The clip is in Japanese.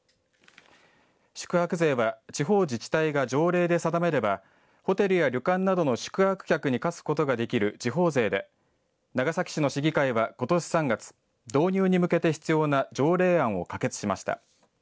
宿泊税は地方自治体が条例で定めればホテルや旅館などの宿泊客に課すことができる地方税で長崎市の市議会は、ことし３月、導入に向けて必要な条例案を可決しました。